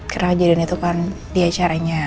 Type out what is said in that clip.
karena aja dan itu kan di acaranya